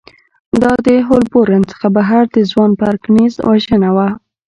دا د هولبورن څخه بهر د ځوان پرکینز وژنه وه